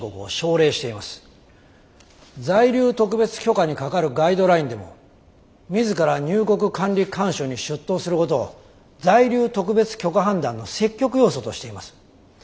「在留特別許可に係るガイドライン」でも自ら入国管理官署に出頭することを在留特別許可判断の積極要素としています。